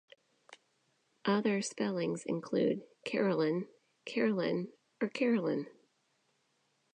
Other spellings include Karolyn, Carolyne or Carolynne.